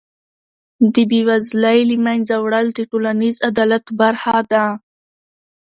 د بېوزلۍ له منځه وړل د ټولنیز عدالت برخه ده.